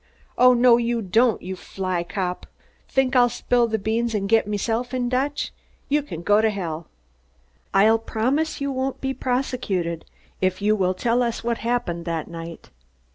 "Oh, no you don't, you fly cop! Think I'll spill the beans and get meself in Dutch? You can go to hell!" "I'll promise you won't be prosecuted if you will tell us what happened that night."